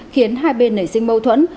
khiến hai bên nảy sinh mâu thuẫn